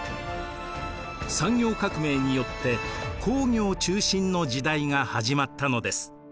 産業革命によって工業中心の時代が始まったのです。